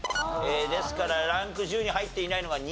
ですからランク１０に入っていないのが２個。